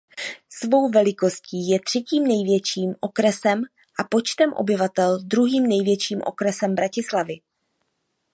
Svou velikostí je třetím největším okresem a počtem obyvatel druhým největším okresem Bratislavy.